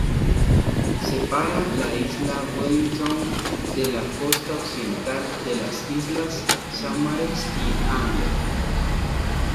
Separa la isla Wellington de la costa occidental de las islas Saumarez y Angle.